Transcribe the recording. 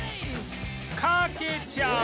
かけちゃう！